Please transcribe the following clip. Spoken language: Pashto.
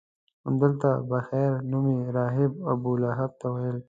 همدلته بحیره نومي راهب ابوطالب ته ویلي.